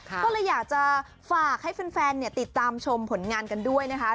ก็เลยอยากจะฝากให้แฟนติดตามชมผลงานกันด้วยนะคะ